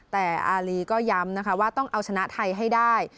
แต่อารีก็ย้ำนะคะว่าต้องเอาชนะไทยให้ได้